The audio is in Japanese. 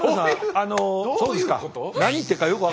あのそうですか。